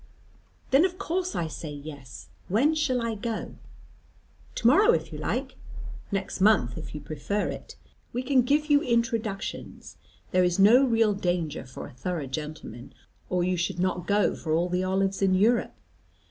"Then of course I say yes. When shall I go?" "To morrow, if you like. Next month if you prefer it. We can give you introductions. There is no real danger for a thorough gentleman, or you should not go for all the olives in Europe.